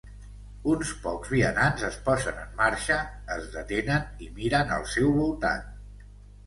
Uns pocs vianants es posen en marxa, es detenen i miren al seu voltant.